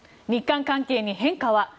日韓関係に変化は？